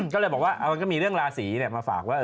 ก็เลยบอกว่ามีเรื่องลาสีมาฝากว่า